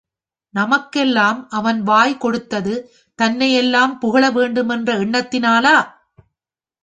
நமக்கெல்லாம் அவன் வாய் கொடுத்தது தன்னை எல்லாரும் புகழ வேண்டுமென்ற எண்ணத்தினாலா?